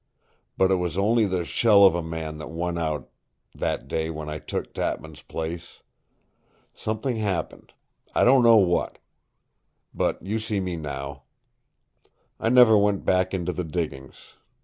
But it was only the shell of a man that won out after that day when I took Tatman's place. Something happened. I don't know what. But you see me now. I never went back into the diggings.